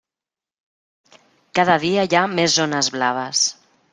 Cada dia hi ha més zones blaves.